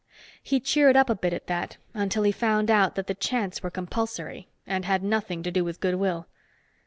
He cheered up a bit at that until he found out that the chants were compulsory, and had nothing to do with goodwill.